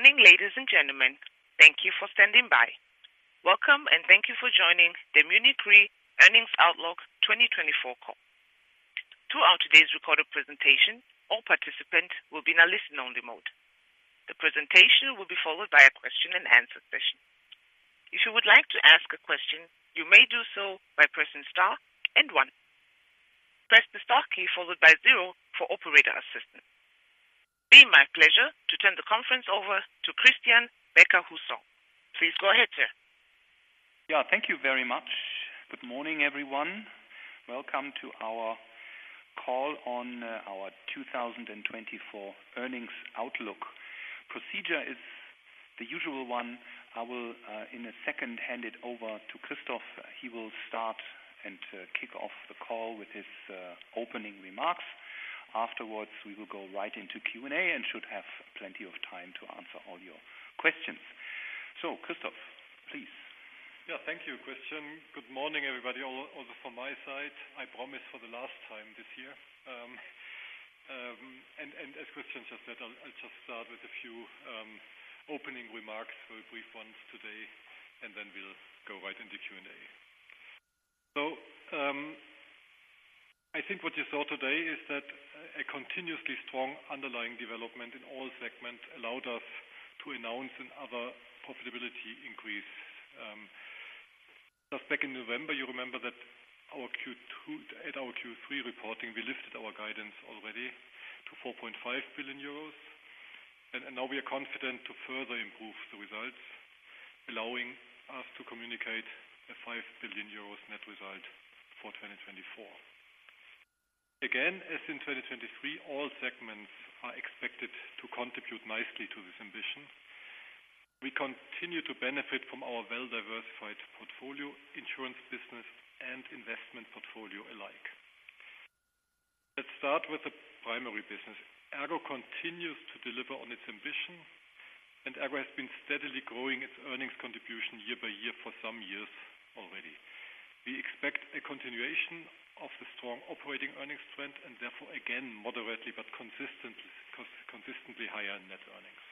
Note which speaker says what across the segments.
Speaker 1: Morning, ladies and gentlemen. Thank you for standing by. Welcome, and thank you for joining the Munich Re Earnings Outlook 2024 call. Throughout today's recorded presentation, all participants will be in a listen-only mode. The presentation will be followed by a question-and-answer session. If you would like to ask a question, you may do so by pressing star and one. Press the star key followed by zero for operator assistance. It'll be my pleasure to turn the conference over to Christian Becker-Hussong. Please go ahead, sir.
Speaker 2: Yeah, thank you very much. Good morning, everyone. Welcome to our call on our 2024 earnings outlook. Procedure is the usual one. I will, in a second, hand it over to Christoph. He will start and kick off the call with his opening remarks. Afterwards, we will go right into Q&A and should have plenty of time to answer all your questions. So, Christoph, please.
Speaker 3: Yeah, thank you, Christian. Good morning, everybody, also from my side. I promise for the last time this year. And as Christian just said, I'll just start with a few opening remarks, very brief ones today, and then we'll go right into Q&A. I think what you saw today is that a continuously strong underlying development in all segments allowed us to announce another profitability increase. Just back in November, you remember that at our Q3 reporting, we lifted our guidance already to 4.5 billion euros, and now we are confident to further improve the results, allowing us to communicate a 5 billion euros net result for 2024. Again, as in 2023, all segments are expected to contribute nicely to this ambition. We continue to benefit from our well-diversified portfolio, insurance business, and investment portfolio alike. Let's start with the primary business. ERGO continues to deliver on its ambition, and ERGO has been steadily growing its earnings contribution year-by-year for some years already. We expect a continuation of the strong operating earnings trend and therefore, again, moderately but consistently higher net earnings.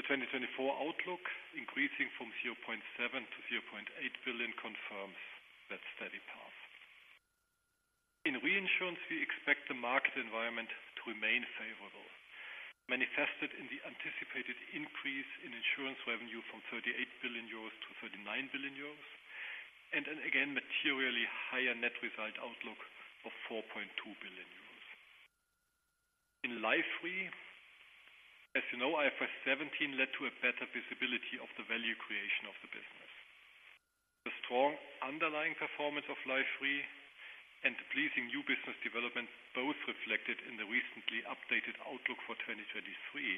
Speaker 3: The 2024 outlook, increasing from 0.7 billion to 0.8 billion, confirms that steady path. In reinsurance, we expect the market environment to remain favorable, manifested in the anticipated increase in insurance revenue from 38 billion euros to 39 billion euros, and then again, materially higher net result outlook of 4.2 billion euros. In Life Re, as you know, IFRS 17 led to a better visibility of the value creation of the business. The strong underlying performance of Life Re and the pleasing new business development, both reflected in the recently updated outlook for 2023,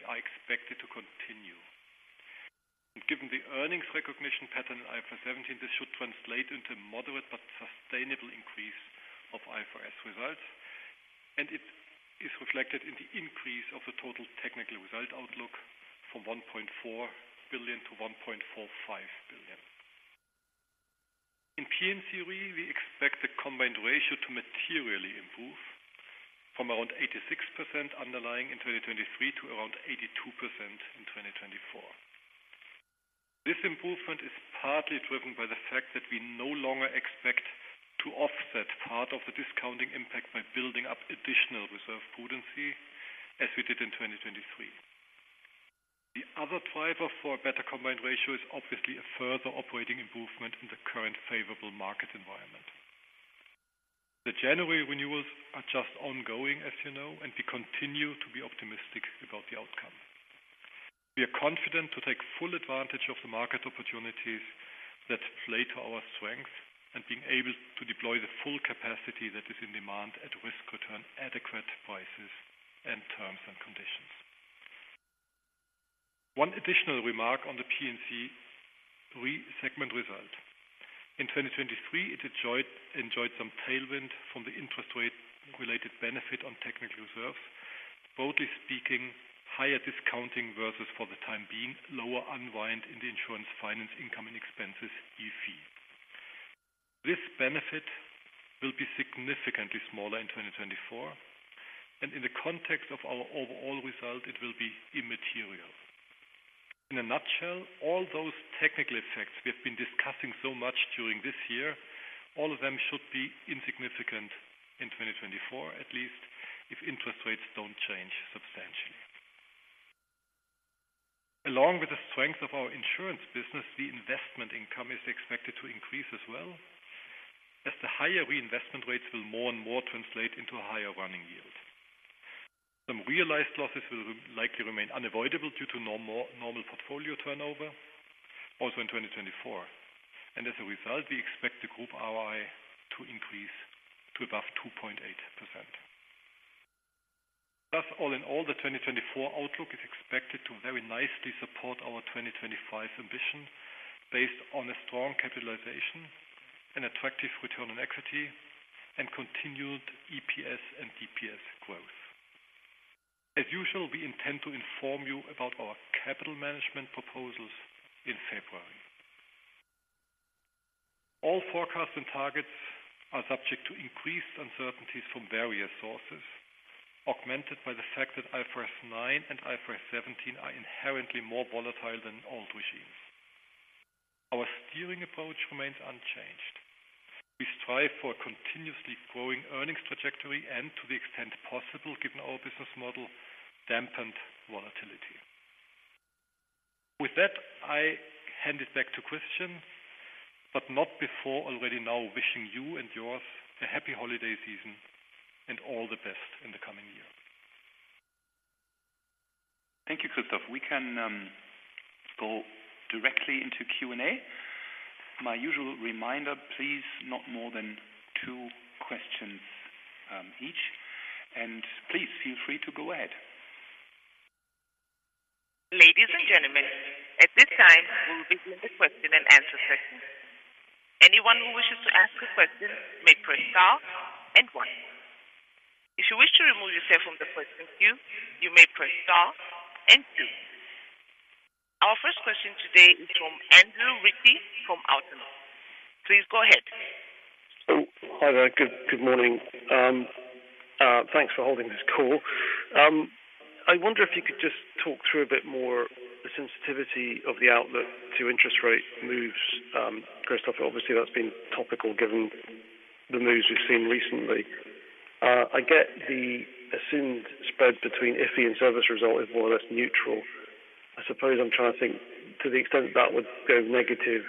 Speaker 3: are expected to continue. And given the earnings recognition pattern in IFRS 17, this should translate into a moderate but sustainable increase of IFRS results, and it is reflected in the increase of the total technical result outlook from 1.4 billion to 1.45 billion. In P&C Re, we expect the combined ratio to materially improve from around 86% underlying in 2023 to around 82% in 2024. This improvement is partly driven by the fact that we no longer expect to offset part of the discounting impact by building up additional reserve prudency as we did in 2023. The other driver for a better combined ratio is obviously a further operating improvement in the current favorable market environment. The January renewals are just ongoing, as you know, and we continue to be optimistic about the outcome. We are confident to take full advantage of the market opportunities that play to our strength and being able to deploy the full capacity that is in demand at risk-return, adequate prices, and terms and conditions. One additional remark on the P&C Re segment result. In 2023, it enjoyed some tailwind from the interest rate-related benefit on technical reserves. Broadly speaking, higher discounting versus, for the time being, lower unwind in the insurance finance income and expenses, IFIE. This benefit will be significantly smaller in 2024, and in the context of our overall result, it will be immaterial. In a nutshell, all those technical effects we have been discussing so much during this year, all of them should be insignificant in 2024, at least if interest rates don't change substantially. Along with the strength of our insurance business, the investment income is expected to increase as well, as the higher reinvestment rates will more and more translate into higher running yields. Some realized losses will likely remain unavoidable due to normal portfolio turnover, also in 2024. And as a result, we expect the group ROI to increase to above 2.8%. Thus, all in all, the 2024 outlook is expected to very nicely support our 2025 ambition, based on a strong capitalization, an attractive return on equity, and continued EPS and DPS growth. As usual, we intend to inform you about our capital management proposals in February. All forecasts and targets are subject to increased uncertainties from various sources, augmented by the fact that IFRS 9 and IFRS 17 are inherently more volatile than old regimes. Our steering approach remains unchanged. We strive for a continuously growing earnings trajectory and to the extent possible, given our business model, dampened volatility. With that, I hand it back to Christian, but not before already now wishing you and yours a happy holiday season and all the best in the coming year.
Speaker 2: Thank you, Christoph. We can go directly into Q&A. My usual reminder, please, not more than two questions each, and please feel free to go ahead.
Speaker 1: Ladies and gentlemen, at this time, we'll begin the question and answer session. Anyone who wishes to ask a question may press star and one. If you wish to remove yourself from the question queue, you may press star and two. Our first question today is from Andrew Ritchie from Autonomous. Please go ahead.
Speaker 4: Oh, hi there. Good morning. Thanks for holding this call. I wonder if you could just talk through a bit more the sensitivity of the outlook to interest rate moves. Christoph, obviously, that's been topical given the moves we've seen recently. I get the assumed spread between IFIE and service result is more or less neutral. I suppose I'm trying to think, to the extent that would go negative,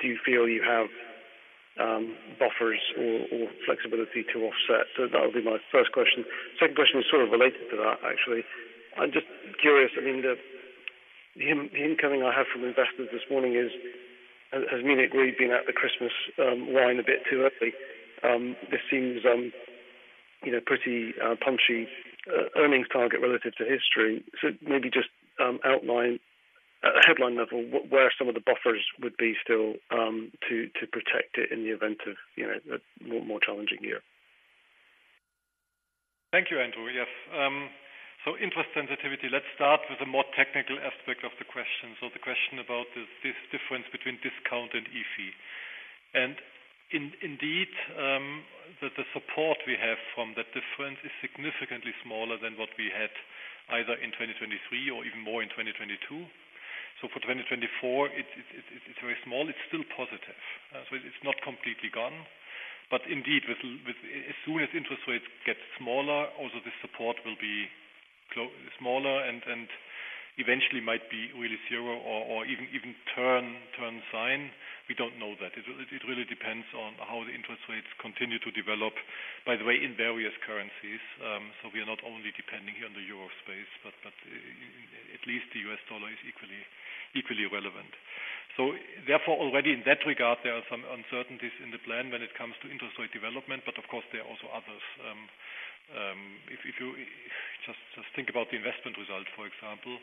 Speaker 4: do you feel you have buffers or flexibility to offset? So that would be my first question. Second question is sort of related to that, actually. I'm just curious, I mean, the incoming I have from investors this morning is, has Munich really been at the Christmas wine a bit too early? This seems, you know, pretty punchy earnings target relative to history. Maybe just outline at a headline level, where some of the buffers would be still to protect it in the event of, you know, a more challenging year.
Speaker 3: Thank you, Andrew. Yes. So interest sensitivity. Let's start with a more technical aspect of the question. So the question about this, this difference between discount and IFIE. And indeed, the support we have from that difference is significantly smaller than what we had either in 2023 or even more in 2022. So for 2024, it's very small. It's still positive. So it's not completely gone. But indeed, with as soon as interest rates get smaller, also the support will be smaller and eventually might be really zero or even turn sign. We don't know that. It really depends on how the interest rates continue to develop, by the way, in various currencies. So we are not only depending on the Euro space, but at least the US dollar is equally relevant. So therefore, already in that regard, there are some uncertainties in the plan when it comes to interest rate development, but of course, there are also others. If you just think about the investment result, for example,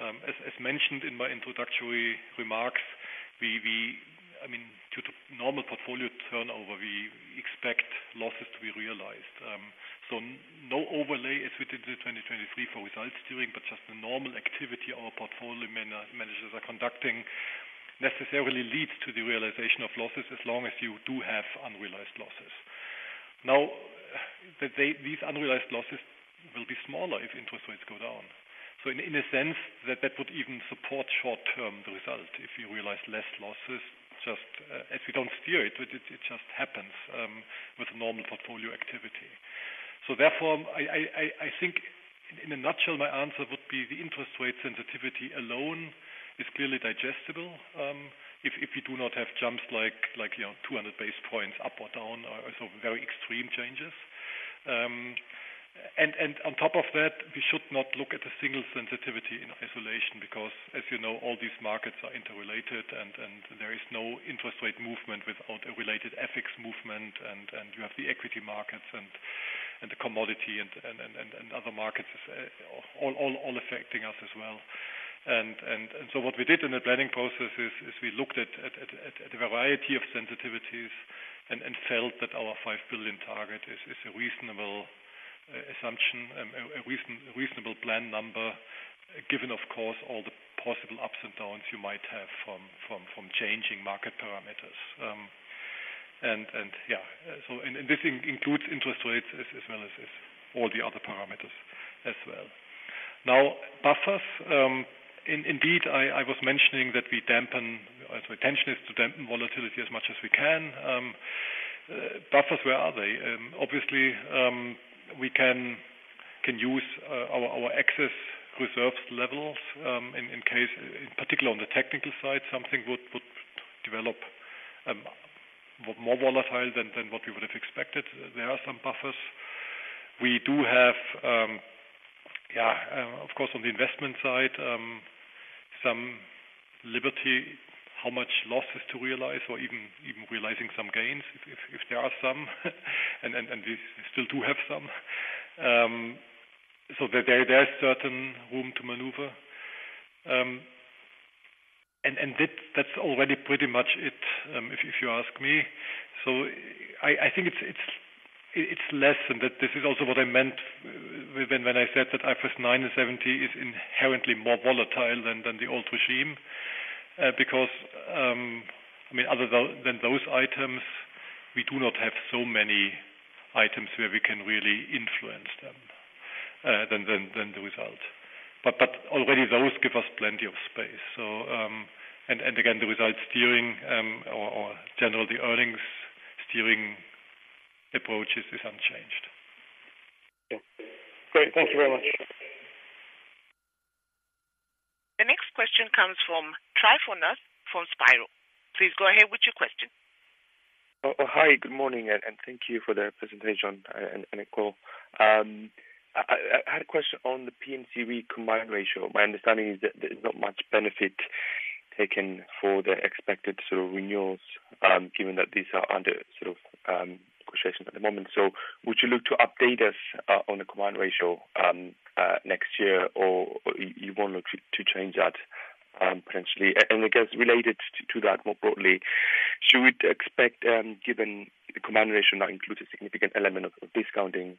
Speaker 3: as mentioned in my introductory remarks, I mean, due to normal portfolio turnover, we expect losses to be realized. So no overlay as we did in 2023 for results steering, but just the normal activity our portfolio managers are conducting necessarily leads to the realization of losses, as long as you do have unrealized losses. Now, these unrealized losses will be smaller if interest rates go down. So in a sense, that would even support short-term the result if you realize less losses, just as we don't steer it, it just happens with normal portfolio activity. So therefore, I think in a nutshell, my answer would be the interest rate sensitivity alone is clearly digestible. If you do not have jumps like, you know, 200 basis points up or down, or so very extreme changes. And on top of that, we should not look at a single sensitivity in isolation, because as you know, all these markets are interrelated and there is no interest rate movement without a related equities movement, and you have the equity markets and the commodity and other markets all affecting us as well. So what we did in the planning process is we looked at a variety of sensitivities and felt that our 5 billion target is a reasonable assumption, a reasonable plan number, given, of course, all the possible ups and downs you might have from changing market parameters. So this includes interest rates as well as all the other parameters as well. Now, buffers. Indeed, I was mentioning that our intention is to dampen volatility as much as we can. Buffers, where are they? Obviously, we can use our excess reserves levels, in case, in particular, on the technical side, something would develop more volatile than what we would have expected. There are some buffers. We do have, yeah, of course, on the investment side, some liberty how much losses to realize or even realizing some gains, if there are some, and we still do have some. So there are certain room to maneuver. And that, that's already pretty much it, if you ask me. So I think it's less than that. This is also what I meant when I said that IFRS 9 and 17 is inherently more volatile than the old regime. Because, I mean, other than those items, we do not have so many items where we can really influence them than the result. But already those give us plenty of space. So, and again, the result steering or generally, the earnings steering approaches is unchanged.
Speaker 4: Great. Thank you very much.
Speaker 1: The next question comes from Tryfonas Spyrou from Spiral. Please go ahead with your question.
Speaker 5: Hi, good morning, and thank you for the presentation and call. I had a question on the P&C combined ratio. My understanding is that there's not much benefit taken for the expected sort of renewals, given that these are under sort of negotiations at the moment. So would you look to update us on the combined ratio next year, or you won't look to change that potentially? And I guess, related to that more broadly, should we expect, given the combined ratio now includes a significant element of discounting,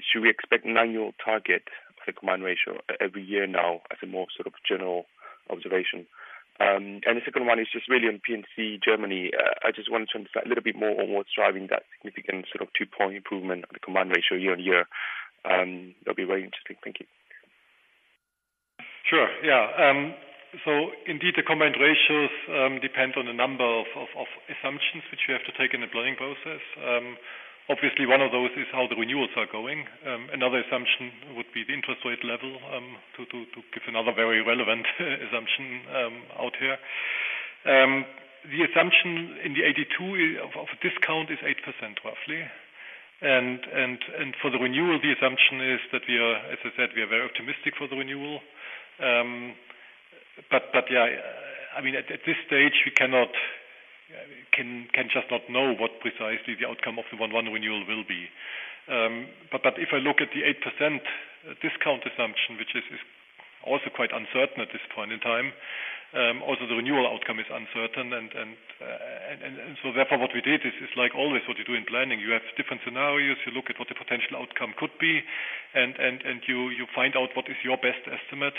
Speaker 5: should we expect an annual target of the combined ratio every year now as a more sort of general observation? And the second one is just really on P&C Germany. I just wanted to understand a little bit more on what's driving that significant sort of 2-point improvement on the Combined Ratio year-on-year. That'll be very interesting. Thank you.
Speaker 3: Sure. Yeah. So indeed, the Combined Ratios depend on a number of assumptions which you have to take in the planning process. Obviously, one of those is how the renewals are going. Another assumption would be the interest rate level, to give another very relevant assumption out here. The assumption in the 82 of discount is 8%, roughly. And for the renewal, the assumption is that we are, as I said, we are very optimistic for the renewal. But yeah, I mean, at this stage, we cannot just not know what precisely the outcome of the 1/1 renewal will be. But if I look at the 8% discount assumption, which is also quite uncertain at this point in time, also the renewal outcome is uncertain. So therefore, what we did is like always what you do in planning. You have different scenarios. You look at what the potential outcome could be, and you find out what is your best estimate,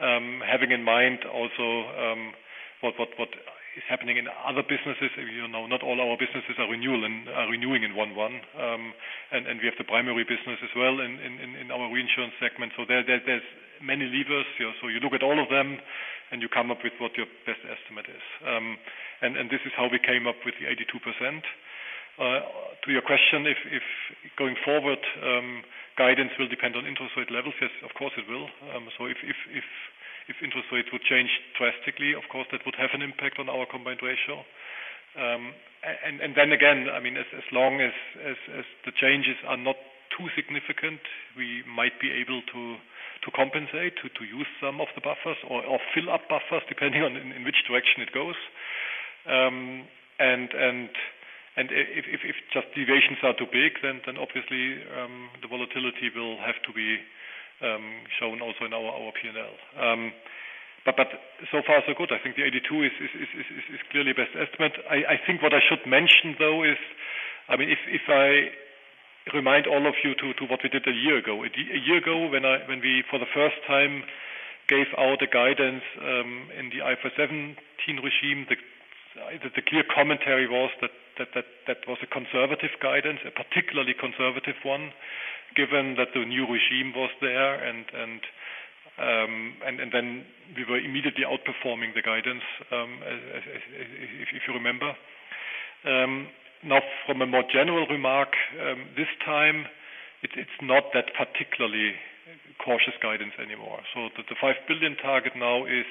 Speaker 3: having in mind also, what is happening in other businesses. You know, not all our businesses are renewal and are renewing in one-one. And we have the primary business as well in our reinsurance segment. So there's many levers. So you look at all of them, and you come up with what your best estimate is. And this is how we came up with the 82%. To your question, if going forward, guidance will depend on interest rate levels? Yes, of course, it will. So if interest rates would change drastically, of course, that would have an impact on our combined ratio. And then again, I mean, as long as the changes are not too significant, we might be able to compensate, to use some of the buffers or fill up buffers, depending on in which direction it goes. And if just deviations are too big, then obviously the volatility will have to be shown also in our PNL. But so far so good. I think the 82 is clearly best estimate. I think what I should mention, though, is, I mean, if I remind all of you to what we did a year ago. A year ago, when we, for the first time, gave out a guidance, in the IFRS 17 regime, the clear commentary was that that was a conservative guidance, a particularly conservative one, given that the new regime was there. And then we were immediately outperforming the guidance, if you remember. Now from a more general remark, this time, it's not that particularly cautious guidance anymore. So the 5 billion target now is,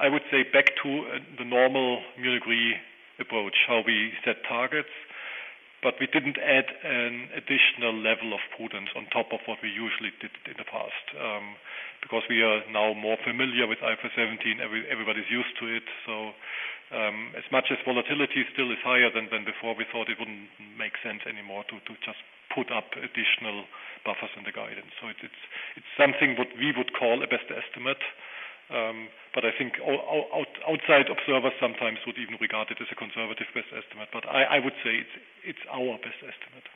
Speaker 3: I would say, back to the normal degree approach, how we set targets. But we didn't add an additional level of prudence on top of what we usually did in the past, because we are now more familiar with IFRS 17. Everybody's used to it. So, as much as volatility still is higher than before, we thought it wouldn't make sense anymore to just put up additional buffers in the guidance. So it's something what we would call a best estimate. But I think outside observers sometimes would even regard it as a conservative best estimate. But I would say it's our best estimate.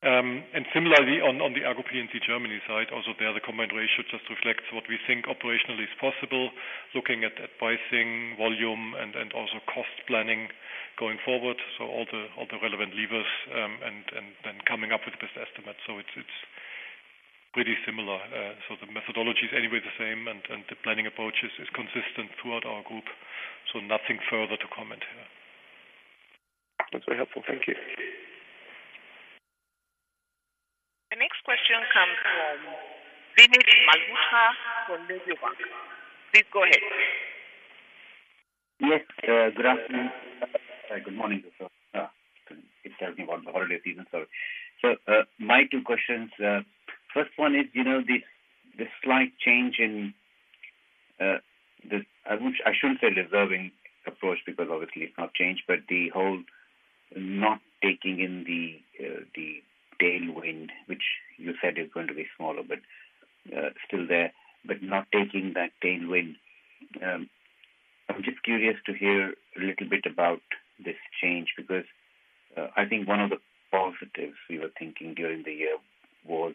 Speaker 3: And similarly, on the ERGO P&C Germany side, also there, the Combined Ratio just reflects what we think operationally is possible, looking at pricing, volume, and also cost planning going forward. So all the relevant levers, and then coming up with the best estimate. So it's pretty similar. So the methodology is anyway the same, and the planning approach is consistent throughout our group, so nothing further to comment here.
Speaker 5: That's very helpful. Thank you.
Speaker 1: The next question comes from Vinit Malhotra for Mediobanca. Please go ahead.
Speaker 6: Yes, good afternoon. Good morning, also. It tells me about the holiday season. So, my two questions, first one is, you know, the slight change in the I wouldn't, I shouldn't say reserving approach, because obviously it's not changed, but the whole not taking in the tailwind, which you said is going to be smaller, but still there, but not taking that tailwind. I'm just curious to hear a little bit about this change because I think one of the positives we were thinking during the year was,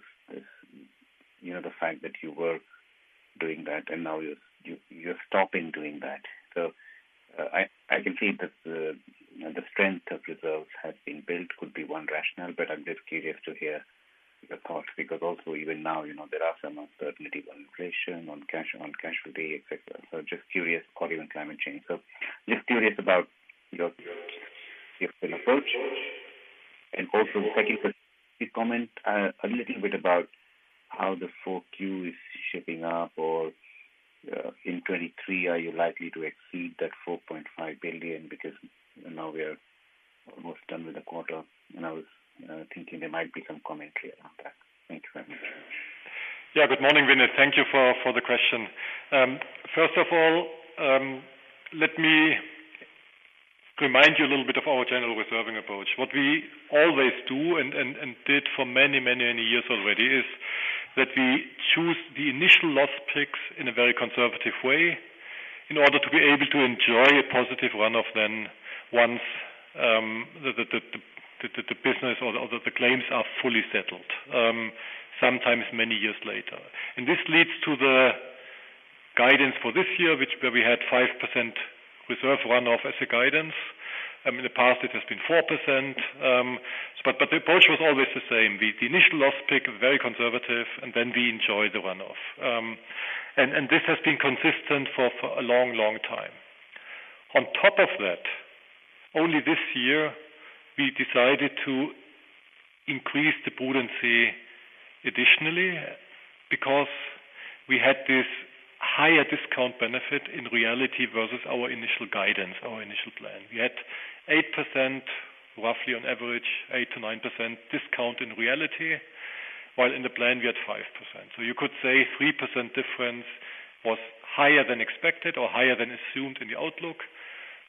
Speaker 6: you know, the fact that you were doing that, and now you're stopping doing that. So, I can see that the strength of reserves has been built could be one rationale, but I'm just curious to hear your thoughts, because also, even now, you know, there are some uncertainty on inflation, on cash, on casualty, et cetera. So just curious, quality and climate change. So just curious about your approach. And also, second, could you comment a little bit about how the Q4 is shaping up, or in 2023, are you likely to exceed that 4.5 billion? Because now we are almost done with the quarter, and I was thinking there might be some commentary on that. Thank you very much.
Speaker 3: Yeah, good morning, Vinit. Thank you for the question. First of all, let me remind you a little bit of our general reserving approach. What we always do and did for many years already is that we choose the initial loss picks in a very conservative way in order to be able to enjoy a positive run-off and once the business or the claims are fully settled, sometimes many years later. And this leads to the guidance for this year, which, where we had 5% reserve run-off as a guidance. In the past, it has been 4%, but the approach was always the same. The initial loss pick, very conservative, and then we enjoy the run-off. And this has been consistent for a long time. On top of that, only this year, we decided to increase the prudency additionally, because we had this higher discount benefit in reality versus our initial guidance, our initial plan. We had 8%, roughly on average, 8%-9% discount in reality, while in the plan, we had 5%. So you could say 3% difference was higher than expected or higher than assumed in the outlook.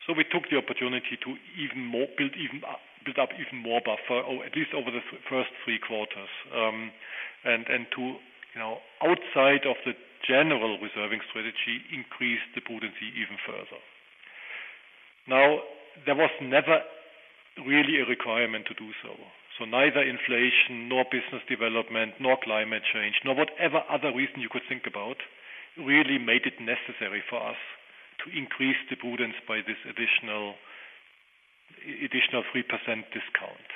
Speaker 3: So we took the opportunity to even more, build even, build up even more buffer, or at least over the first three quarters. And, and to, you know, outside of the general reserving strategy, increase the prudency even further. Now, there was never really a requirement to do so. So neither inflation, nor business development, nor climate change, nor whatever other reason you could think about, really made it necessary for us to increase the prudence by this additional, additional 3% discount.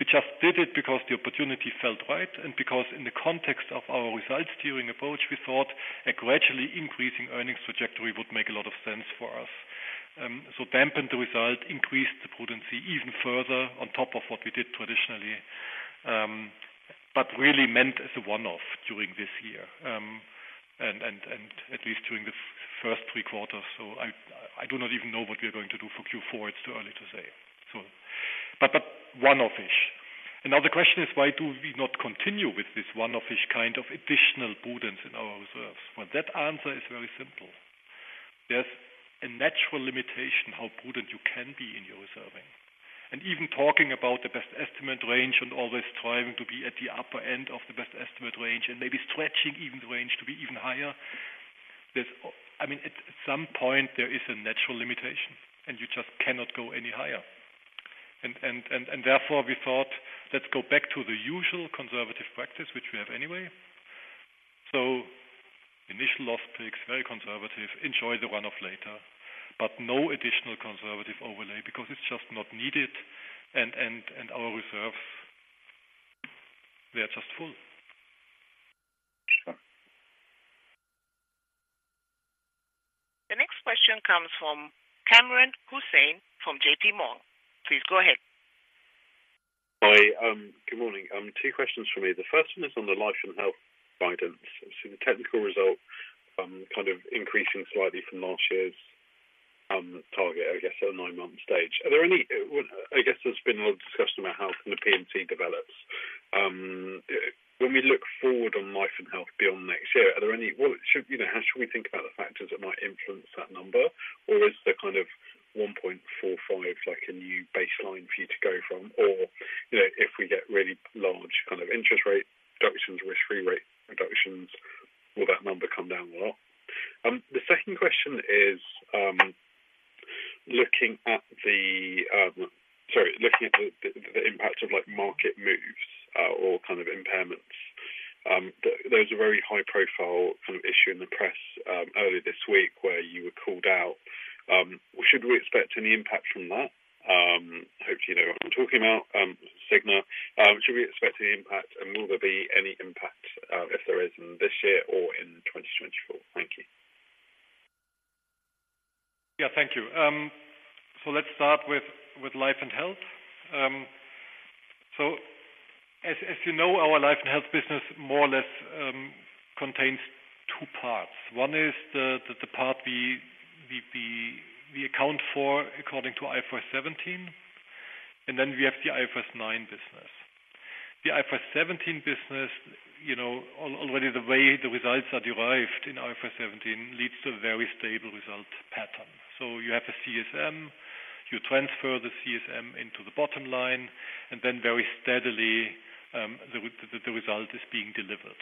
Speaker 3: We just did it because the opportunity felt right and because in the context of our results-steering approach, we thought a gradually increasing earnings trajectory would make a lot of sense for us. So dampen the result, increase the prudence even further on top of what we did traditionally, but really meant as a one-off during this year, and at least during the first three quarters. So I, I do not even know what we are going to do for Q4. It's too early to say. So, but, but one-offish. And now the question is: why do we not continue with this one-offish kind of additional prudence in our reserves? Well, that answer is very simple. There's a natural limitation, how prudent you can be in your reserving. And even talking about the best estimate range and always striving to be at the upper end of the best estimate range and maybe stretching even the range to be even higher. There's I mean, at some point there is a natural limitation, and you just cannot go any higher. And therefore, we thought, let's go back to the usual conservative practice, which we have anyway. So initial loss picks, very conservative, enjoy the run-off later, but no additional conservative overlay because it's just not needed and our reserves, they are just full.
Speaker 6: Sure.
Speaker 1: The next question comes from Kamran Hossain from JP Morgan. Please go ahead.
Speaker 7: Hi, good morning. Two questions for me. The first one is on the life and health guidance. I've seen the technical result, kind of increasing slightly from last year's target, I guess, at a nine-month stage. Are there any, well, I guess, there's been a lot of discussion about how the P&C develops. When we look forward on life and health beyond next year, are there any. Well, should, you know, how should we think about the factors that might influence that number? Or is the kind of 1.45, like, a new baseline for you to go from? Or, you know, if we get really large kind of interest rate reductions, risk-free rate reductions, will that number come down a lot? The second question is, looking at the impact of, like, market moves, or kind of impairments. There was a very high-profile kind of issue in the press earlier this week where you were called out. Should we expect any impact from that? Hopefully, you know what I'm talking about, Signa. Should we expect any impact, and will there be any impact, if there is in this year or in 2024? Thank you.
Speaker 3: Yeah, thank you. So let's start with life and health. So as you know, our life and health business more or less contains two parts. One is the part we account for according to IFRS 17, and then we have the IFRS 9 business. The IFRS 17 business, you know, already the way the results are derived in IFRS 17 leads to a very stable result pattern. So you have a CSM, you transfer the CSM into the bottom line, and then very steadily the result is being delivered.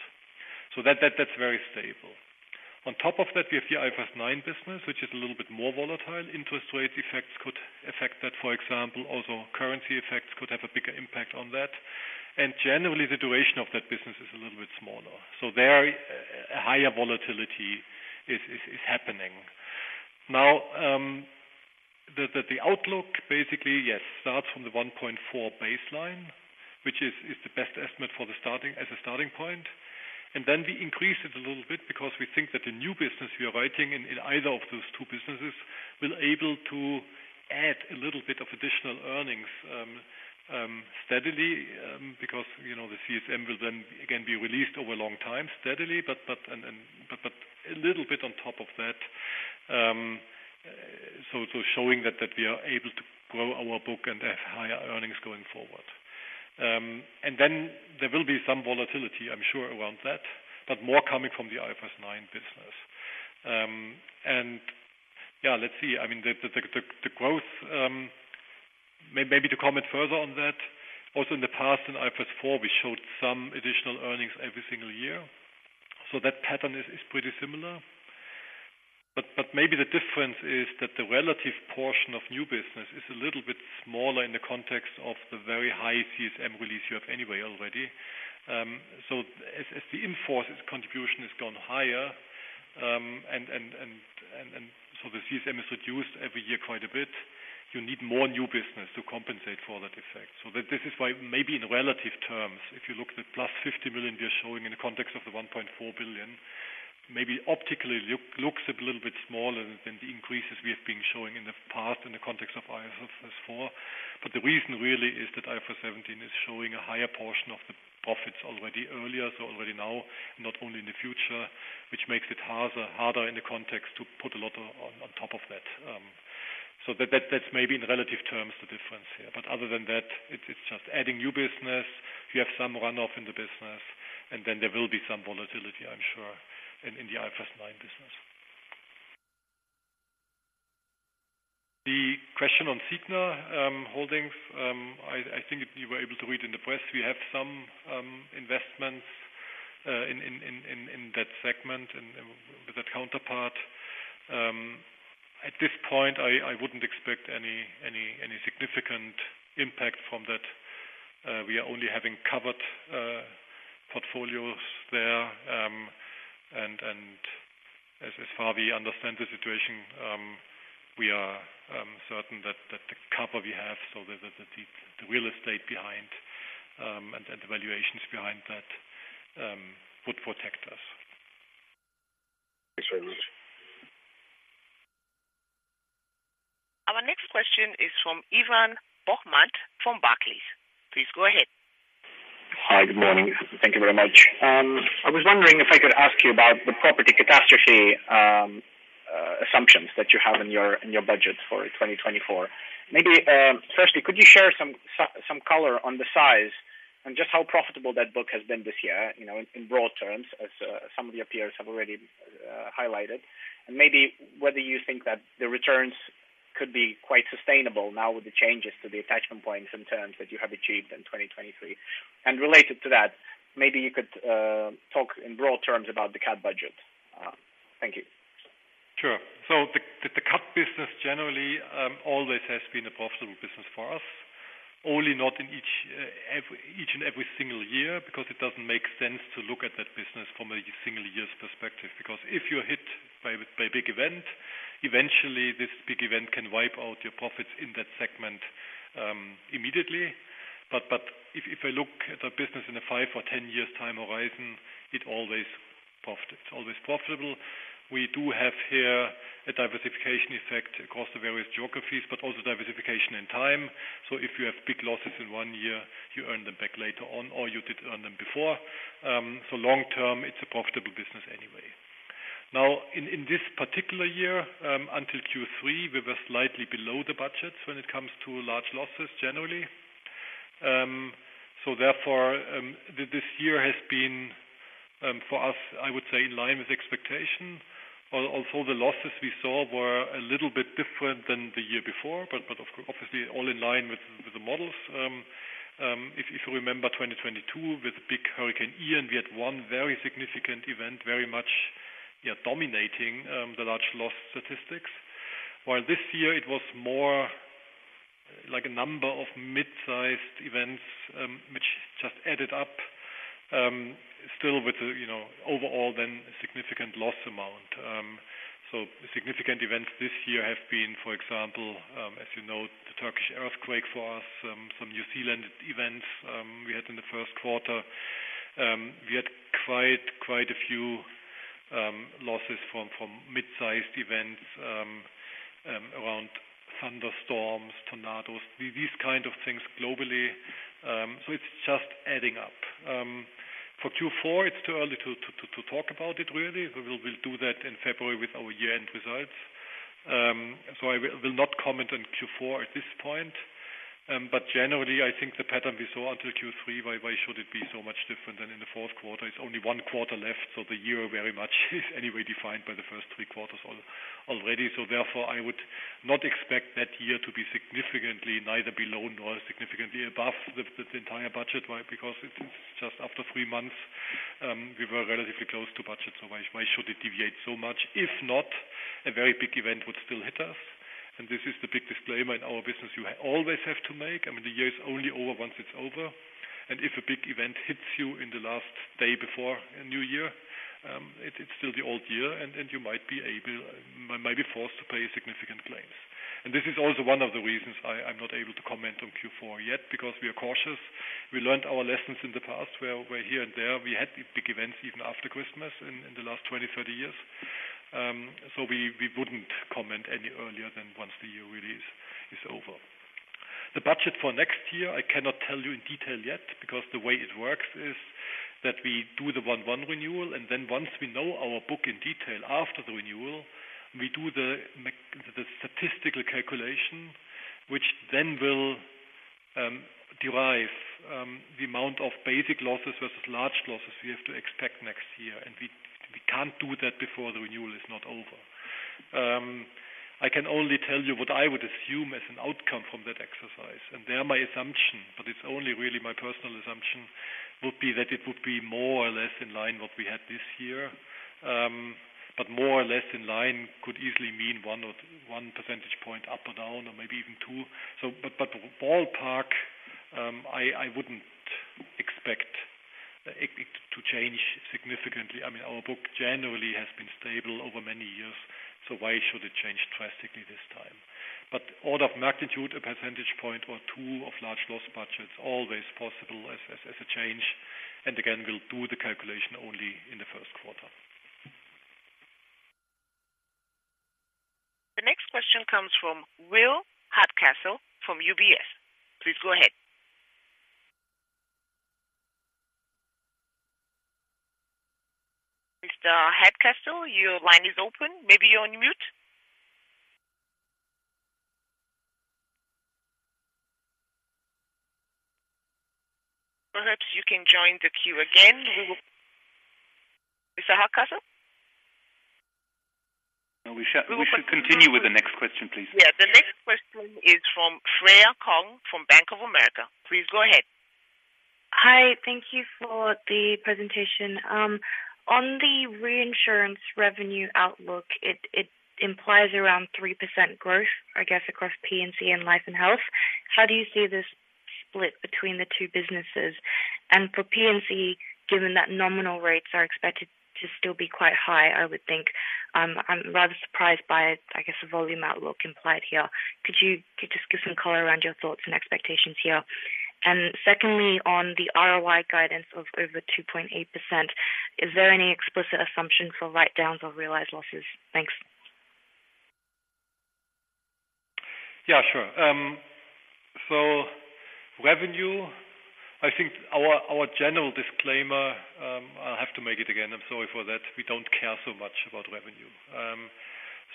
Speaker 3: So that, that's very stable. On top of that, we have the IFRS 9 business, which is a little bit more volatile. Interest rate effects could affect that, for example, also currency effects could have a bigger impact on that. And generally, the duration of that business is a little bit smaller. So there, a higher volatility is happening. Now, the outlook, basically, yes, starts from the 1.4 baseline, which is the best estimate as a starting point. And then we increase it a little bit because we think that the new business we are writing in either of those two businesses will able to add a little bit of additional earnings steadily, because you know, the CSM will then again be released over a long time steadily, but a little bit on top of that. So showing that we are able to grow our book and have higher earnings going forward. And then there will be some volatility, I'm sure, around that, but more coming from the IFRS 9 business. And yeah, let's see. I mean, the growth, maybe to comment further on that. Also, in the past, in IFRS 4, we showed some additional earnings every single year. So that pattern is pretty similar. But maybe the difference is that the relative portion of new business is a little bit smaller in the context of the very high CSM release you have anyway, already. So as the in-force contribution has gone higher, and so the CSM is reduced every year quite a bit, you need more new business to compensate for that effect. So this is why maybe in relative terms, if you look at the +50 million we are showing in the context of the 1.4 billion, maybe optically, looks a little bit smaller than the increases we have been showing in the past in the context of IFRS 4. But the reason really is that IFRS 17 is showing a higher portion of the profits already earlier, so already now, not only in the future, which makes it harder in the context to put a lot on top of that. So that's maybe in relative terms, the difference here. But other than that, it's just adding new business. You have some runoff in the business, and then there will be some volatility, I'm sure, in the IFRS 9 business. The question on Signa Holdings, I think if you were able to read in the press, we have some investments in that segment and with that counterpart. At this point, I wouldn't expect any significant impact from that. We are only having covered portfolios there. And as far as we understand the situation, we are certain that the cover we have, so the real estate behind and the valuations behind that, would protect us.
Speaker 7: Thanks very much.
Speaker 1: Our next question is from Ivan Bokhmat from Barclays. Please go ahead.
Speaker 8: Hi, good morning. Thank you very much. I was wondering if I could ask you about the property catastrophe assumptions that you have in your budget for 2024. Maybe, firstly, could you share some color on the size and just how profitable that book has been this year, you know, in broad terms, as some of your peers have already highlighted. And maybe whether you think that the returns could be quite sustainable now with the changes to the attachment points and terms that you have achieved in 2023. And related to that, maybe you could talk in broad terms about the cat budget. Thank you.
Speaker 3: Sure. So the cat business generally always has been a profitable business for us. Only not in each and every single year, because it doesn't make sense to look at that business from a single year's perspective, because if you're hit by a big event, eventually this big event can wipe out your profits in that segment immediately. But if you look at a business in a 5- or 10-year time horizon, it always profits. It's always profitable. We do have here a diversification effect across the various geographies, but also diversification in time. So if you have big losses in one year, you earn them back later on, or you did earn them before. So long term, it's a profitable business anyway. Now, in this particular year, until Q3, we were slightly below the budgets when it comes to large losses, generally. So therefore, this year has been, for us, I would say, in line with expectation. Also, the losses we saw were a little bit different than the year before, but of course, obviously all in line with the models. If you remember 2022, with the big Hurricane Ian, we had one very significant event, very much, yeah, dominating the large loss statistics. While this year it was more like a number of mid-sized events, which just added up, still with the, you know, overall, then, a significant loss amount. So significant events this year have been, for example, as you know, the Turkish earthquake for us, some New Zealand events we had in the first quarter. We had quite a few losses from mid-sized events around thunderstorms, tornadoes, these kind of things globally. So it's just adding up. For Q4, it's too early to talk about it, really. We will do that in February with our year-end results. So I will not comment on Q4 at this point. But generally, I think the pattern we saw until Q3, why should it be so much different than in the fourth quarter? It's only one quarter left, so the year very much is anyway defined by the first three quarters already. So therefore, I would not expect that year to be significantly, neither below nor significantly above the entire budget, right? Because it's just after three months, we were relatively close to budget, so why should it deviate so much? If not, a very big event would still hit us. And this is the big disclaimer in our business you always have to make. I mean, the year is only over once it's over, and if a big event hits you in the last day before a new year, it's still the old year, and you might be forced to pay significant claims. And this is also one of the reasons I'm not able to comment on Q4 yet, because we are cautious. We learned our lessons in the past, where here and there, we had big events, even after Christmas in the last 20, 30 years. So we wouldn't comment any earlier than once the year really is over. The budget for next year, I cannot tell you in detail yet, because the way it works is that we do the one renewal, and then once we know our book in detail after the renewal, we do the statistical calculation, which then will derive the amount of basic losses versus large losses we have to expect next year. And we can't do that before the renewal is not over. I can only tell you what I would assume as an outcome from that exercise. There, my assumption, but it's only really my personal assumption, would be that it would be more or less in line what we had this year. But more or less in line could easily mean one or one percentage point up or down, or maybe even two. But ballpark, I wouldn't expect it to change significantly. I mean, our book generally has been stable over many years, so why should it change drastically this time? But order of magnitude, a percentage point or two of large loss budget, is always possible as a change. And again, we'll do the calculation only in the first quarter.
Speaker 1: The next question comes from Will Hardcastle, from UBS. Please go ahead. Mr. Hardcastle, your line is open. Maybe you're on mute? Perhaps you can join the queue again. We will Mr. Hardcastle?
Speaker 2: No, we should continue with the next question, please.
Speaker 1: Yeah, the next question is from Freya Kong, from Bank of America. Please go ahead.
Speaker 9: Hi, thank you for the presentation. On the reinsurance revenue outlook, it implies around 3% growth, I guess, across P&C and life and health. How do you see this split between the two businesses? And for P&C, given that nominal rates are expected to still be quite high, I would think, I'm rather surprised by, I guess, the volume outlook implied here. Could you just give some color around your thoughts and expectations here? And secondly, on the ROI guidance of over 2.8%, is there any explicit assumption for write-downs or realized losses? Thanks.
Speaker 3: Yeah, sure. So revenue, I think our general disclaimer, I'll have to make it again. I'm sorry for that. We don't care so much about revenue.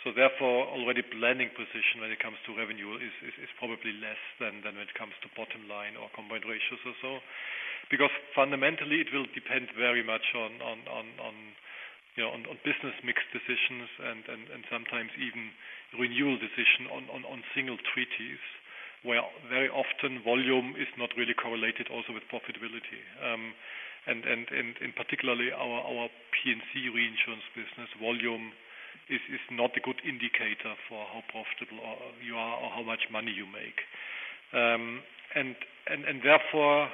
Speaker 3: So therefore, already planning position when it comes to revenue is probably less than when it comes to bottom line or combined ratios or so. Because fundamentally, it will depend very much on you know, on business mix decisions and sometimes even renewal decision on single treaties, where very often volume is not really correlated also with profitability. And particularly our P&C reinsurance business, volume is not a good indicator for how profitable you are or how much money you make. And therefore,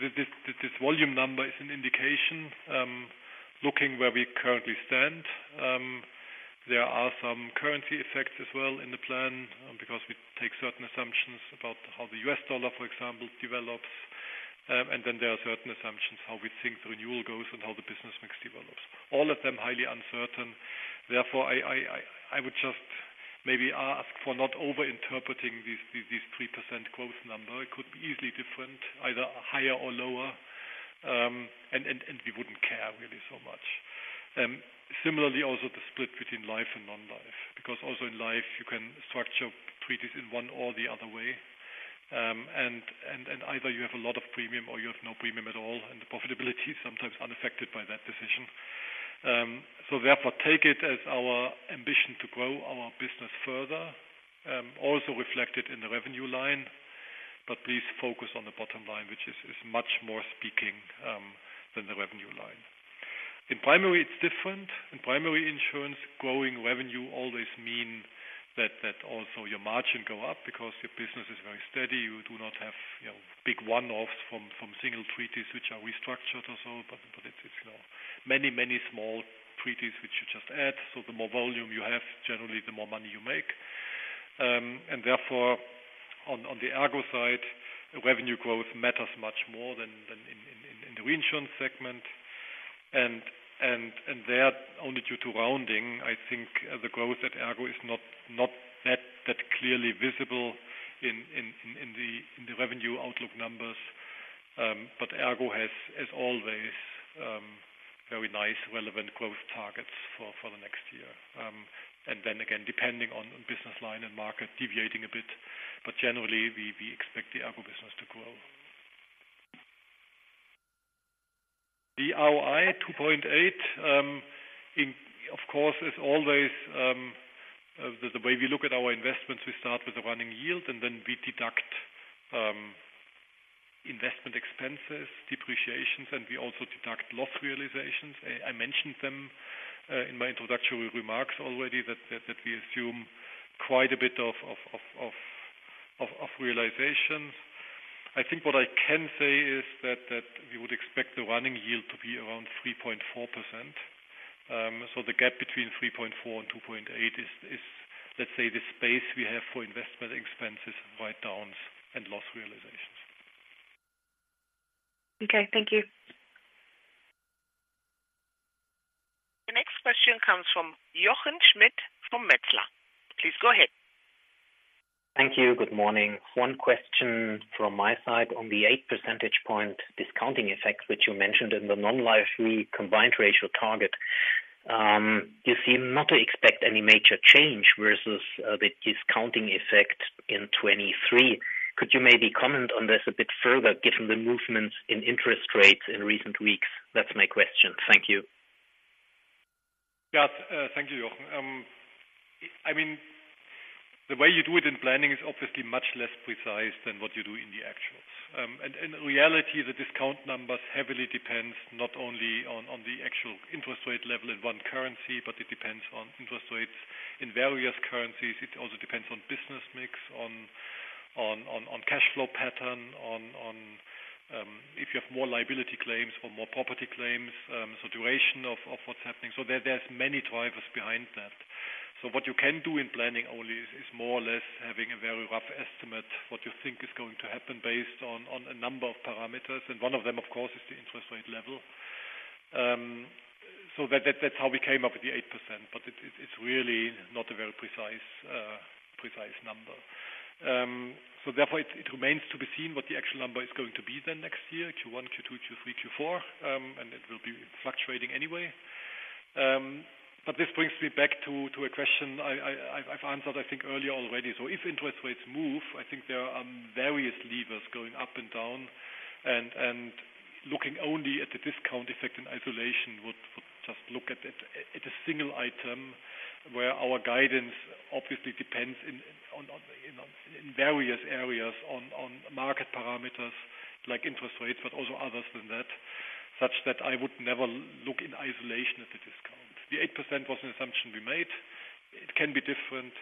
Speaker 3: this volume number is an indication looking where we currently stand. There are some currency effects as well in the plan, because we take certain assumptions about how the U.S. dollar, for example, develops. And then there are certain assumptions, how we think the renewal goes and how the business mix develops. All of them highly uncertain. Therefore, I would just maybe ask for not overinterpreting these, these 3% growth number. It could be easily different, either higher or lower, and we wouldn't care really so much. Similarly, also the split between life and non-life, because also in life, you can structure treaties in one or the other way. And either you have a lot of premium or you have no premium at all, and the profitability is sometimes unaffected by that decision. So therefore, take it as our ambition to grow our business further, also reflected in the revenue line, but please focus on the bottom line, which is much more speaking than the revenue line. In primary, it's different. In primary insurance, growing revenue always mean that, that also your margin go up because your business is very steady. You do not have, you know, big one-offs from single treaties, which are restructured or so, but it is, you know, many, many small treaties, which you just add. So the more volume you have, generally, the more money you make. And therefore, on the ERGO side, revenue growth matters much more than in the reinsurance segment. And there, only due to rounding, I think the growth at ERGO is not that clearly visible in the revenue outlook numbers. But ERGO has, as always, very nice, relevant growth targets for the next year. And then again, depending on business line and market, deviating a bit, but generally, we expect the ERGO business to grow. The ROI 2.8, in, of course, as always, the way we look at our investments, we start with the running yield, and then we deduct investment expenses, depreciations, and we also deduct loss realizations. I mentioned them in my introductory remarks already that we assume quite a bit of realization. I think what I can say is that we would expect the running yield to be around 3.4%. So the gap between 3.4% and 2.8% is, let's say, the space we have for investment expenses, write-downs, and loss realizations.
Speaker 9: Okay, thank you.
Speaker 1: The next question comes from Jochen Schmitt, from Metzler. Please go ahead.
Speaker 10: Thank you. Good morning. One question from my side on the 8 percentage point discounting effect, which you mentioned in the non-life Combined Ratio target. You seem not to expect any major change versus the discounting effect in 2023. Could you maybe comment on this a bit further, given the movements in interest rates in recent weeks? That's my question. Thank you.
Speaker 3: Yeah, thank you, Jochen. I mean, the way you do it in planning is obviously much less precise than what you do in the actuals. And in reality, the discount numbers heavily depends not only on the actual interest rate level in one currency, but it depends on interest rates in various currencies. It also depends on business mix, on cash flow pattern, on if you have more liability claims or more property claims, so duration of what's happening. So there's many drivers behind that. So what you can do in planning only is more or less having a very rough estimate, what you think is going to happen based on a number of parameters, and one of them, of course, is the interest rate level. So that, that's how we came up with the 8%, but it, it's really not a very precise, precise number. So therefore, it remains to be seen what the actual number is going to be then next year, Q1, Q2, Q3, Q4, and it will be fluctuating anyway. But this brings me back to a question I've answered, I think, earlier already. So if interest rates move, I think there are various levers going up and down, and looking only at the discount effect in isolation would just look at it at a single item where our guidance obviously depends in various areas on market parameters, like interest rates, but also others than that, such that I would never look in isolation at the discount. The 8% was an assumption we made. It can be different,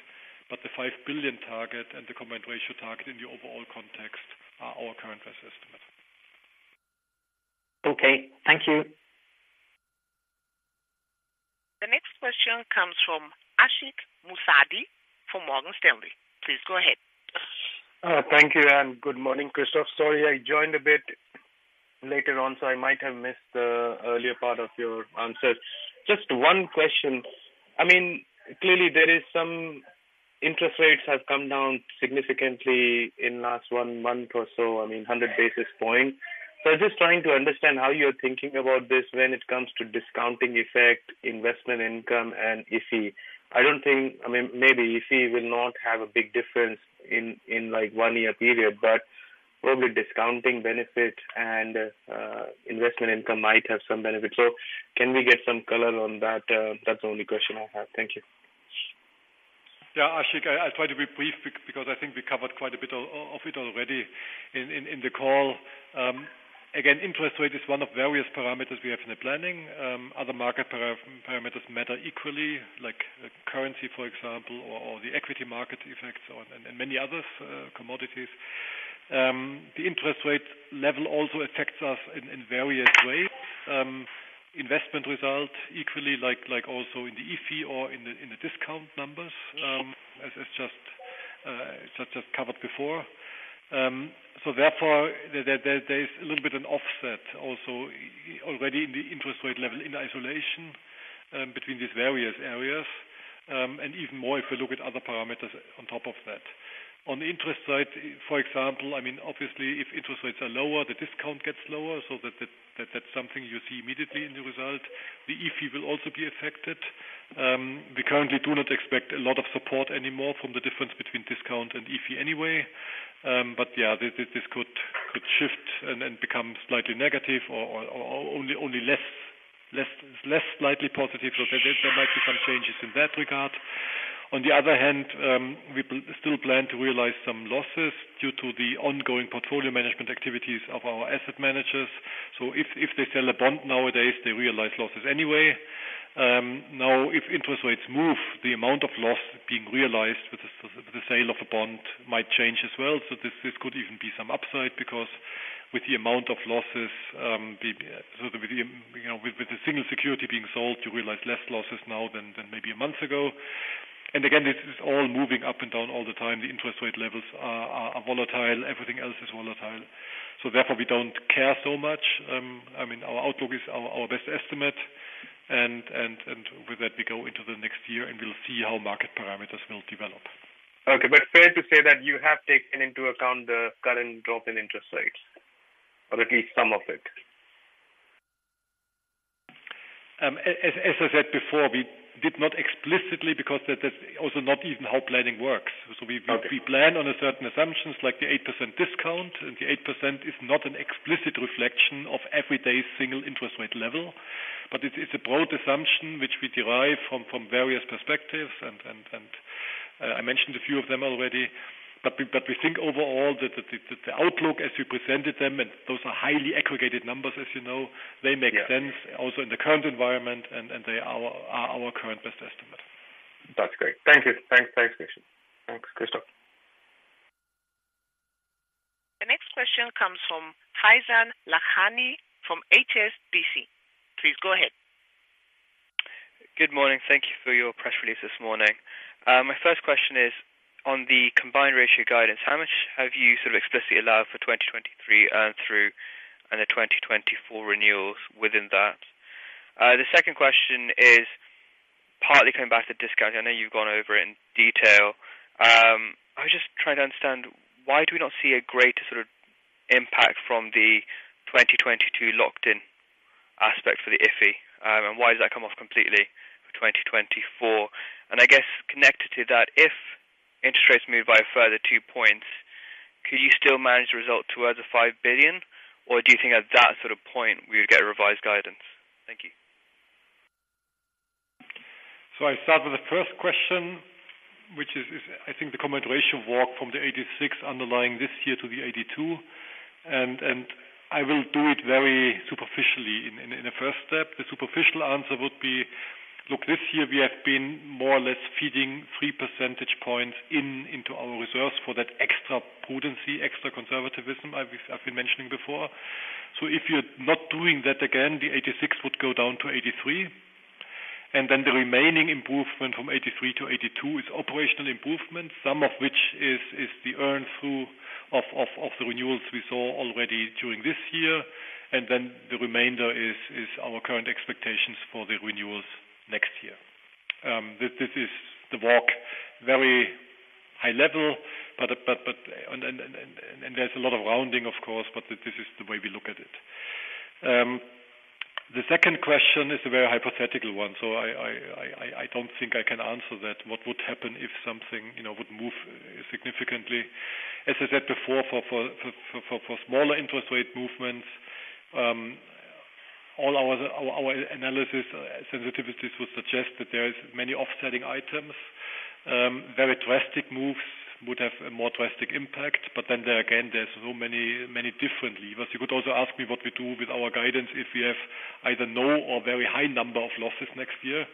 Speaker 3: but the 5 billion target and the combined ratio target in the overall context are our current best estimate.
Speaker 10: Okay. Thank you.
Speaker 1: The next question comes from Ashik Musaddi from Morgan Stanley. Please go ahead.
Speaker 11: Thank you, and good morning, Christoph. Sorry, I joined a bit later on, so I might have missed the earlier part of your answers. Just one question. I mean, clearly, there is some interest rates have come down significantly in last one month or so, I mean, 100 basis points. So I'm just trying to understand how you're thinking about this when it comes to discounting effect, investment income, and IFIE. I don't think, I mean, maybe IFIE will not have a big difference in, in, like, one year period, but probably discounting benefit and investment income might have some benefit. So can we get some color on that? That's the only question I have. Thank you.
Speaker 3: Yeah, Ashik, I'll try to be brief because I think we covered quite a bit of it already in the call. Again, interest rate is one of various parameters we have in the planning. Other market parameters matter equally, like currency, for example, or the equity market effects and many others, commodities. The interest rate level also affects us in various ways. Investment result equally like also in the EFY or in the discount numbers, as just covered before. So therefore, there is a little bit an offset also already in the interest rate level, in isolation, between these various areas, and even more, if we look at other parameters on top of that. On the interest side, for example, I mean, obviously, if interest rates are lower, the discount gets lower, so that's something you see immediately in the result. The IFIE will also be affected. We currently do not expect a lot of support anymore from the difference between discount and IFIE anyway. But yeah, this could shift and become slightly negative or only less slightly positive, so there might be some changes in that regard. On the other hand, we still plan to realize some losses due to the ongoing portfolio management activities of our asset managers. So if they sell a bond nowadays, they realize losses anyway. Now, if interest rates move, the amount of loss being realized with the sale of a bond might change as well. This could even be some upside, because with the amount of losses, so, you know, with the single security being sold, you realize less losses now than maybe a month ago. And again, this is all moving up and down all the time. The interest rate levels are volatile, everything else is volatile. So therefore, we don't care so much. I mean, our outlook is our best estimate. And with that, we go into the next year, and we'll see how market parameters will develop.
Speaker 11: Okay, but fair to say that you have taken into account the current drop in interest rates, or at least some of it?
Speaker 3: As I said before, we did not explicitly, because that is also not even how planning works.
Speaker 11: Okay.
Speaker 3: So we plan on certain assumptions, like the 8% discount, and the 8% is not an explicit reflection of everyday single interest rate level, but it's a broad assumption which we derive from various perspectives. And I mentioned a few of them already, but we think overall that the outlook as we presented them, and those are highly aggregated numbers, as you know.
Speaker 11: Yeah.
Speaker 3: They make sense also in the current environment, and they are our current best estimate.
Speaker 11: That's great. Thank you. Thanks. Thanks, Christian. Thanks, Christoph.
Speaker 1: The next question comes from Faizan Lakhani from HSBC. Please go ahead.
Speaker 12: Good morning. Thank you for your press release this morning. My first question is on the combined ratio guidance. How much have you sort of explicitly allowed for 2023 earn through and the 2024 renewals within that? The second question is partly coming back to discount. I know you've gone over it in detail. I was just trying to understand, why do we not see a greater sort of impact from the 2022 locked-in aspect for the IFIE? And why does that come off completely for 2024? And I guess, connected to that, if interest rates move by a further 2 points, could you still manage the result towards the 5 billion? Or do you think at that sort of point, we would get revised guidance? Thank you.
Speaker 3: So I start with the first question, which is, I think, the combination walk from the 86 underlying this year to the 82. And I will do it very superficially in a first step. The superficial answer would be, look, this year we have been more or less feeding 3 percentage points into our reserves for that extra prudency, extra conservativism I've been mentioning before. So if you're not doing that again, the 86 would go down to 83, and then the remaining improvement from 83 to 82 is operational improvement, some of which is the earn through of the renewals we saw already during this year, and then the remainder is our current expectations for the renewals next year. This is the walk, very high level, but. There's a lot of rounding, of course, but this is the way we look at it. The second question is a very hypothetical one. So I don't think I can answer that. What would happen if something, you know, would move significantly? As I said before, for smaller interest rate movements, all our analysis sensitivities would suggest that there is many offsetting items. Very drastic moves would have a more drastic impact, but then there, again, there's so many, many different levers. You could also ask me what we do with our guidance if we have either no or very high number of losses next year.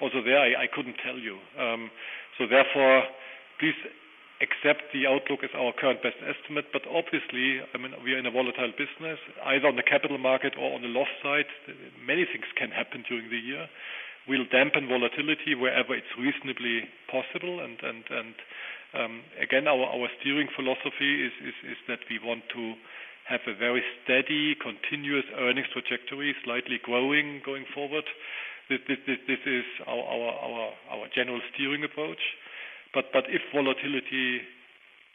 Speaker 3: Also there, I couldn't tell you. So therefore, please accept the outlook as our current best estimate. But obviously, I mean, we are in a volatile business, either on the capital market or on the loss side. Many things can happen during the year. We'll dampen volatility wherever it's reasonably possible. And again, our steering philosophy is that we want to have a very steady, continuous earnings trajectory, slightly growing, going forward. This is our general steering approach. But if volatility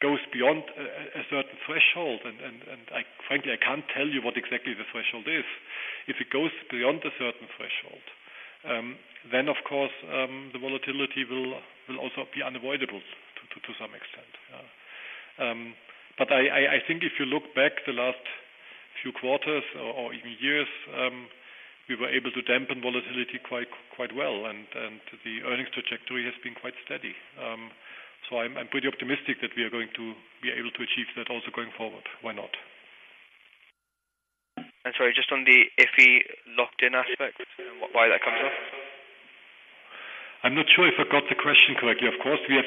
Speaker 3: goes beyond a certain threshold, and frankly, I can't tell you what exactly the threshold is. If it goes beyond a certain threshold, then, of course, the volatility will also be unavoidable to some extent. But I think if you look back the last few quarters or even years, we were able to dampen volatility quite well, and the earnings trajectory has been quite steady. So I'm pretty optimistic that we are going to be able to achieve that also going forward. Why not?
Speaker 12: Sorry, just on the IFI locked-in aspect, why that comes up?
Speaker 3: I'm not sure if I got the question correctly. Of course, we have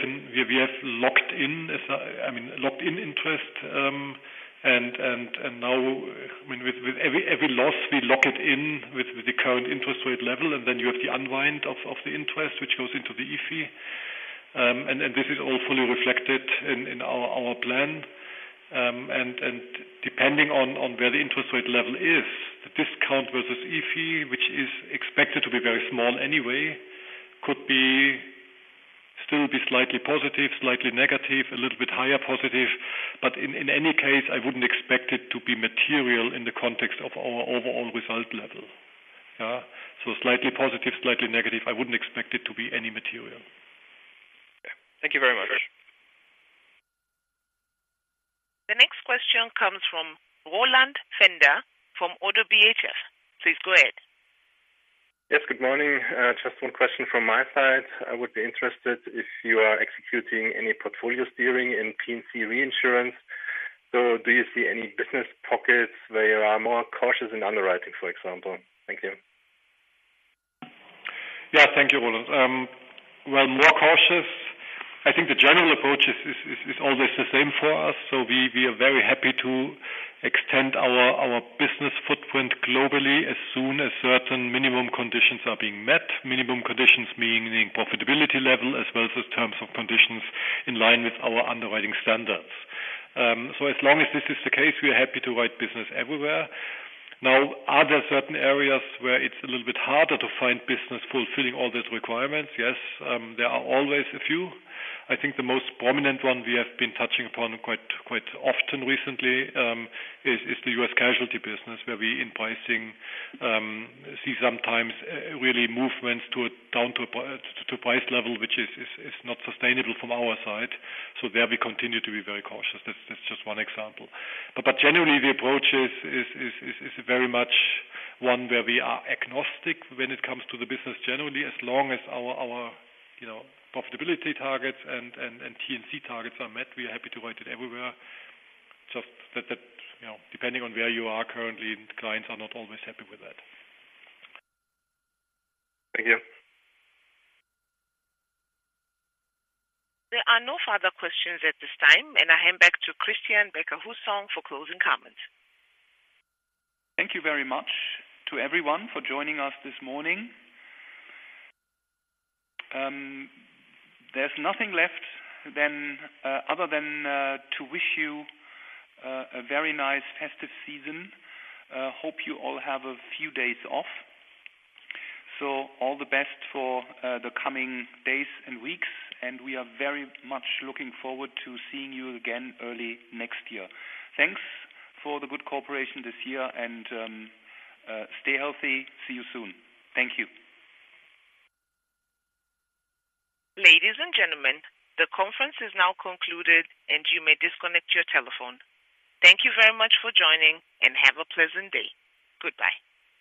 Speaker 3: locked in, as I mean, locked in interest, and now, with every loss, we lock it in with the current interest rate level, and then you have the unwind of the interest, which goes into the IFIE. And this is all fully reflected in our plan. And depending on where the interest rate level is, the discount versus IFIE, which is expected to be very small anyway, could still be slightly positive, slightly negative, a little bit higher positive, but in any case, I wouldn't expect it to be material in the context of our overall result level. Yeah. So slightly positive, slightly negative, I wouldn't expect it to be any material.
Speaker 12: Thank you very much.
Speaker 1: The next question comes from Roland Pfänder from Oddo BHF. Please go ahead.
Speaker 13: Yes, good morning. Just one question from my side. I would be interested if you are executing any portfolio steering in P&C Reinsurance. So do you see any business pockets where you are more cautious in underwriting, for example? Thank you.
Speaker 3: Yeah. Thank you, Roland. Well, more cautious? I think the general approach is always the same for us. So we are very happy to extend our business footprint globally as soon as certain minimum conditions are being met. Minimum conditions meaning profitability level as well as terms and conditions in line with our underwriting standards. So as long as this is the case, we are happy to write business everywhere. Now, are there certain areas where it's a little bit harder to find business fulfilling all these requirements? Yes, there are always a few. I think the most prominent one we have been touching upon quite often recently is the U.S. casualty business, where we in pricing see sometimes really movements down to price level, which is not sustainable from our side. So there we continue to be very cautious. That's just one example. But generally, the approach is very much one where we are agnostic when it comes to the business. Generally, as long as our profitability targets and T&C targets are met, we are happy to write it everywhere. Just that, you know, depending on where you are currently, clients are not always happy with that.
Speaker 13: Thank you.
Speaker 1: There are no further questions at this time, and I hand back to Christian Becker-Hussong for closing comments.
Speaker 3: Thank you very much to everyone for joining us this morning. There's nothing left than other than to wish you a very nice festive season. Hope you all have a few days off. So all the best for the coming days and weeks, and we are very much looking forward to seeing you again early next year. Thanks for the good cooperation this year, and stay healthy. See you soon. Thank you.
Speaker 1: Ladies and gentlemen, the conference is now concluded, and you may disconnect your telephone. Thank you very much for joining, and have a pleasant day. Goodbye.